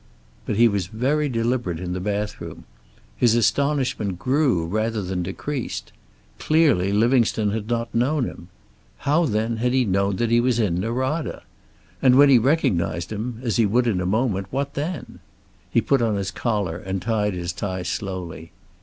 But he was very deliberate in the bathroom. His astonishment grew, rather than decreased. Clearly Livingstone had not known him. How, then, had he known that he was in Norada? And when he recognized him, as he would in a moment, what then? He put on his collar and tied his tie slowly.